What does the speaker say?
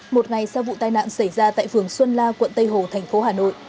một ngày sau vụ tai nạn xảy ra tại phường xuân la quận tây hồ thành phố hà nội